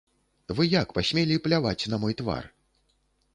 Вы як пасмелі пляваць на мой твар?